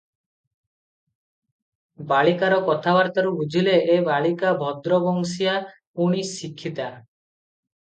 ବାଳିକାର କଥାବାର୍ତ୍ତାରୁ ବୁଝିଲେ, ଏ ବାଳିକା ଭଦ୍ର ବଂଶୀୟା- ପୁଣି ଶିକ୍ଷିତା ।